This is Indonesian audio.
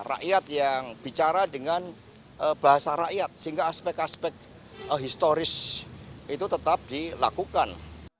rakyat yang bicara dengan bahasa rakyat sehingga aspek aspek historis itu tetap dilakukan